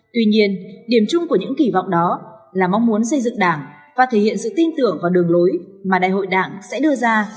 tuy nhiên điểm chung của những kỳ vọng đó là mong muốn xây dựng đảng và thể hiện sự tin tưởng vào đường lối mà đại hội đảng sẽ đưa ra